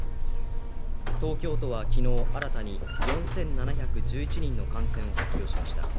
東京都は昨日新たに４７１１人の感染を発表しました。